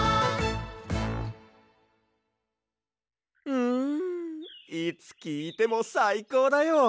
うんいつきいてもさいこうだよ。